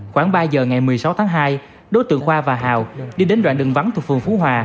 khoảng ba giờ ngày một mươi sáu tháng hai đối tượng khoa và hào đi đến đoạn đường vắng thuộc phường phú hòa